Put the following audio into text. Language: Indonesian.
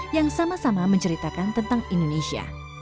yang sama sama menceritakan tentang indonesia